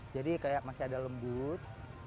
jadi kayak masih ada lembut